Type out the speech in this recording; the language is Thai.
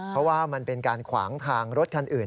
เพราะว่ามันเป็นการขวางทางรถคันอื่น